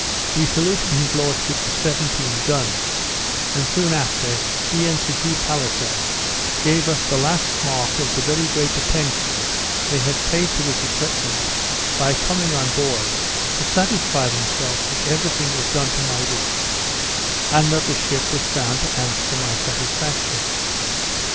We saluted his lordship with seventeen guns; and soon after he and Sir Hugh Palliser gave us the last mark of the very great attention they had paid to this equipment, by coming on board, to satisfy themselves that every thing was done to my wish, and that the ship was found to answer to my satisfaction.